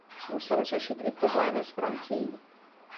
Musel řešit i problémy s Francií.